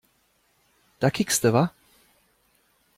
Da kiekste wa?